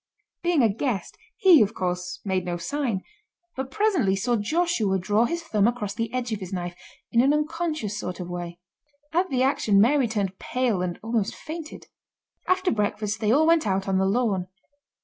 Being a guest, he, of course, made no sign; but presently saw Joshua draw his thumb across the edge of his knife in an unconscious sort of way. At the action Mary turned pale and almost fainted. After breakfast they all went out on the lawn.